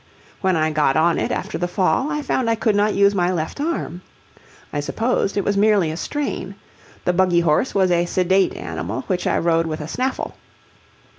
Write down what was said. When I got on it after the fall I found I could not use my left arm. I supposed it was merely a strain. The buggy horse was a sedate animal which I rode with a snaffle.